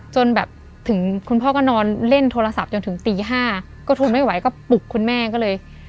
จนแบบถึงคุณพ่อก็นอนเล่นโทรศัพท์จนถึงตี๕ก็ทนไม่ไหวก็ปลุกคุณแม่ก็เลย